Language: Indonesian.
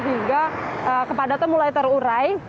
hingga kepadatan mulai terurai